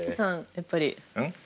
やっぱり。